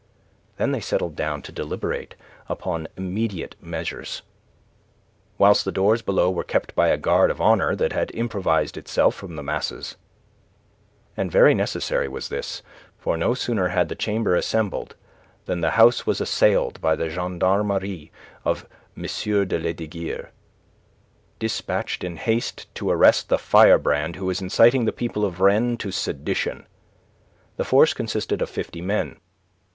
Then they settled down to deliberate upon immediate measures, whilst the doors below were kept by a guard of honour that had improvised itself from the masses. And very necessary was this. For no sooner had the Chamber assembled than the house was assailed by the gendarmerie of M. de Lesdiguieres, dispatched in haste to arrest the firebrand who was inciting the people of Rennes to sedition. The force consisted of fifty men.